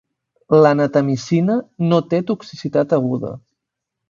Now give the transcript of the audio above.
La natamicina no té toxicitat aguda.